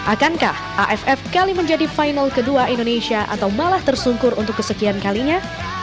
akankah aff kali menjadi final kedua indonesia atau malah tersungkur untuk kesekian kalinya